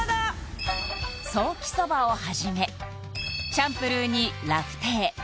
ソーキそばをはじめチャンプルーにラフテー